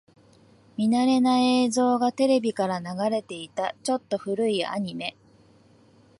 見慣れない映像がテレビから流れていた。ちょっと古いアニメ。